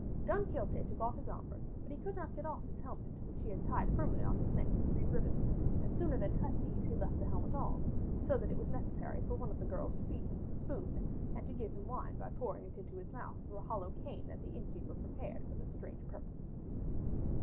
Don Quixote took off his armor, but he could not get off his helmet which he had tied firmly on his neck with green ribbons, and sooner than cut these he left his helmet on, so that it was necessary for one of the girls to feed him with a spoon, and to give him wine by pouring it into his mouth through a hollow cane that the innkeeper prepared for this strange purpose.